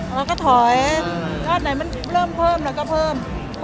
ลัดไหนมันเริ่มเพิ่มเราก็เพิ่ม